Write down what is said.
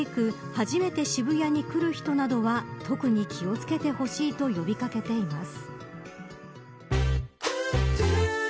初めて渋谷に来る人などは特に気を付けてほしいと呼び掛けています。